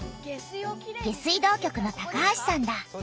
下水道局の橋さんだ。